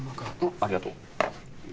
ありがとう。